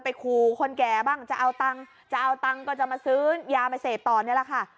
บอกผมว่าไปครูคนแก่จะเอาตังค์ก็จะมาซื้อเยาะมาเสพตอนนี้ละค่ะ